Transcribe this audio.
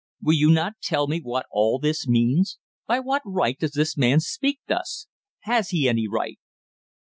Will you not tell me what all this means? By what right does this man speak thus? Has he any right?"